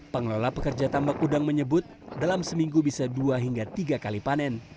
pengelola pekerja tambak udang menyebut dalam seminggu bisa dua hingga tiga kali panen